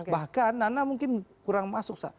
bahkan nana mungkin kurang masuk